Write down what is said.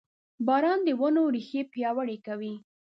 • باران د ونو ریښې پیاوړې کوي.